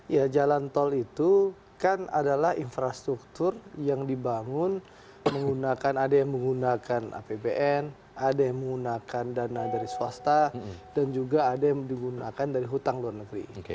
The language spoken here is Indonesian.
ya jalan tol itu kan adalah infrastruktur yang dibangun menggunakan ada yang menggunakan apbn ada yang menggunakan dana dari swasta dan juga ada yang digunakan dari hutang luar negeri